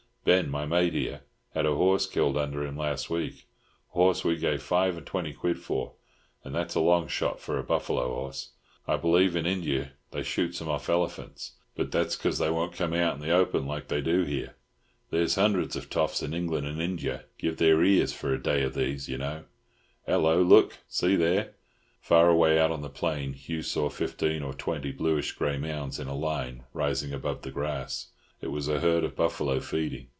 Ben, my mate here, had a horse killed under him last week—horse we gave five and twenty quid for, and that's a long shot for a buffalo horse. I believe in Injia they shoot 'em off elephants, but that's 'cause they won't come out in the open like they do here. There's hundreds of toffs in England and Injia'd give their ears for a day after these, you know. Hello! Look! See there!" Far away out on the plain Hugh saw fifteen or twenty bluish grey mounds in a line rising above the grass; it was a herd of buffalo feeding.